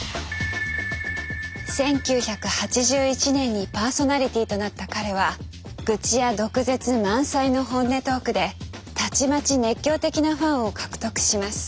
１９８１年にパーソナリティーとなった彼は愚痴や毒舌満載の本音トークでたちまち熱狂的なファンを獲得します。